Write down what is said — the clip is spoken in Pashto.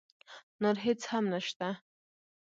نور هېڅ هم نه شته.